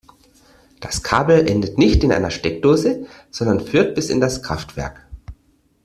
Das Kabel endet nicht in einer Steckdose, sondern führt bis in das Kraftwerk.